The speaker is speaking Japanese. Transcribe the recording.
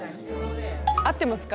合ってますか？